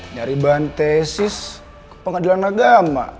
nyari bahan tesis ke pengadilan agama